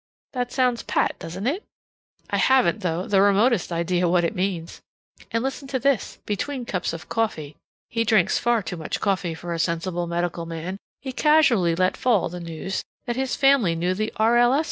That sounds pat, doesn't it? I haven't, though, the remotest idea what it means. And listen to this: between cups of coffee (he drinks far too much coffee for a sensible medical man) he casually let fall the news that his family knew the R. L. S.